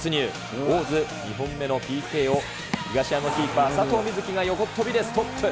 大津、２本目のＰＫを、東山キーパー、佐藤瑞起が横っ飛びでストップ。